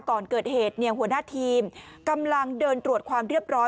ก่อนเกิดเหตุเนี่ยหัวหน้าทีมกำลังเดินตรวจความเรียบร้อย